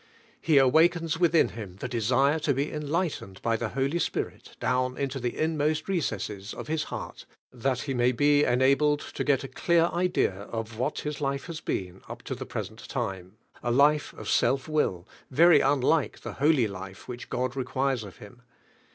He awakens within' him the desire to be enlightened by the Holy Spirit down into the inmost recesses of his heart, I hat he may be enabled to got a clear idea of what his life has been, up to the present lime, a life of self will, very unlike (he holy life which God requires of him.